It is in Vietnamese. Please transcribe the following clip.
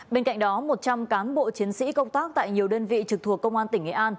bên cạnh đó một trăm linh cán bộ chiến sĩ công tác tại nhiều đơn vị trực thuộc công an tỉnh nghệ an